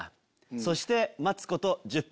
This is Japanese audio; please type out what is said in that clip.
そして待つこと１０分。